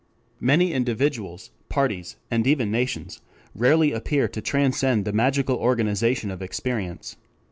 Many individuals, parties, and even nations, rarely appear to transcend the magical organization of experience.